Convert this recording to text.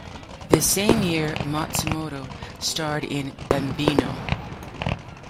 The same year, Matsumoto starred in "Bambino!